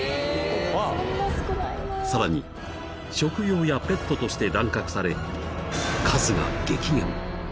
［さらに食用やペットとして乱獲され数が］